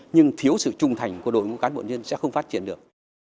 nhưng thiếu sự trung thành của đội ngũ cán bộ nhân sẽ không phát triển được